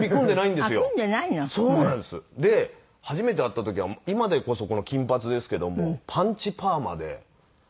で初めて会った時は今でこそこの金髪ですけどもパンチパーマで。